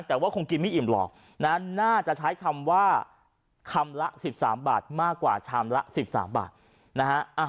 แต่ว่าคงกินไม่อิ่มหรอกนั้นน่าจะใช้คำว่าคำละ๑๓บาทมากกว่าชามละ๑๓บาทนะฮะ